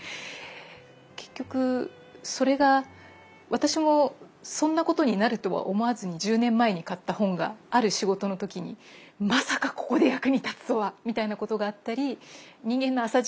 結局それが私もそんなことになるとは思わずに１０年前に買った本がある仕事の時にまさかここで役に立つとは！